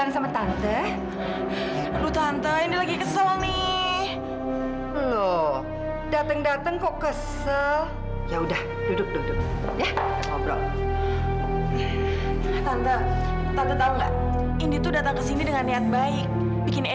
ngapain kamu pake datang kesini